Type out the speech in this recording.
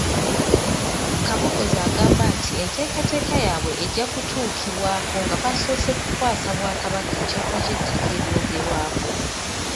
Kabogoza agamba nti enteekateeka yaabwe ejja kutuukibwako nga basoose kukwasa Bwakabaka ekyapa ky’ettaka eryogerwako.